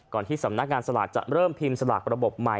ที่สำนักงานสลากจะเริ่มพิมพ์สลากระบบใหม่